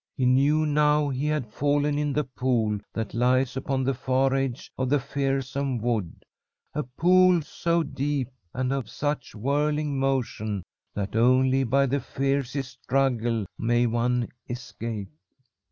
He knew now he had fallen in the pool that lies upon the far edge of the fearsome wood, a pool so deep and of such whirling motion that only by the fiercest struggle may one escape.